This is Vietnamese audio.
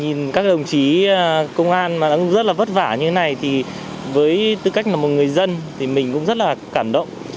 nhìn các đồng chí công an mà đang rất là vất vả như thế này thì với tư cách là một người dân thì mình cũng rất là cảm động